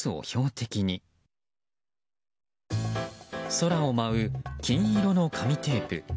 空を舞う金色の紙テープ。